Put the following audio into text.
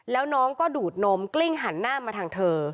แล้วน้องก็ดูดนมกลิ้งหันหน้ามาทางเธอ